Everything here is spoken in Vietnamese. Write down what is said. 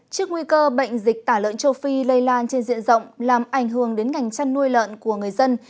trước nguy cơ bệnh dịch tả lợn châu phi lây lan trên diện rộng làm ảnh hưởng đến ngành chăn nuôi lợn của người dân